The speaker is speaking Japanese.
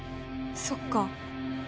そっか。